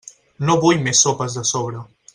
No vull més sopes de sobre.